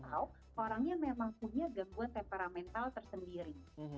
atau orang yang memang punya gangguan temperamental tersendiri